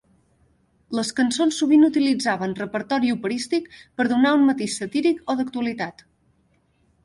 Les cançons sovint utilitzaven repertori operístic "per a donar un matís satíric o d'actualitat".